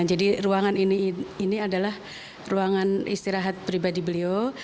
jadi ruangan ini adalah ruangan istirahat pribadi beliau